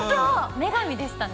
女神でしたね。